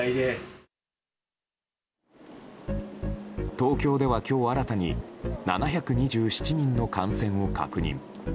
東京では今日新たに７２７人の感染を確認。